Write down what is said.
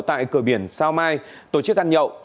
tại cửa biển sao mai tổ chức ăn nhậu